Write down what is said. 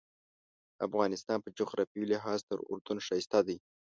افغانستان په جغرافیوي لحاظ تر اردن ښایسته دی.